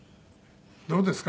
どうですか？